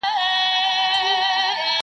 عمر ځکه ډېر کوي چي پوه په کار دی!!